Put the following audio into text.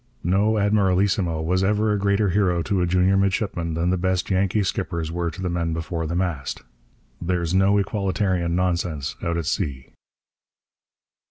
No admiralissimo ever was a greater hero to a junior midshipman than the best Yankee skippers were to the men before the mast. There's no equalitarian nonsense out at sea.